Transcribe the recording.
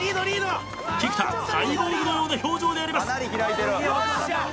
菊田サイボーグのような表情であります。